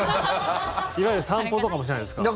いわゆる散歩とかもしないんですか？